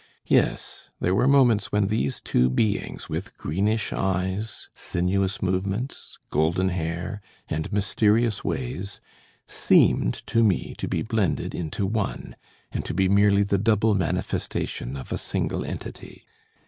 Yes, there were moments when these two beings with greenish eyes, sinuous movements, golden hair, and mysterious ways, seemed to me to be blended into one, and to be merely the double manifestation of a single entity.